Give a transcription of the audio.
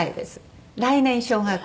来年小学校。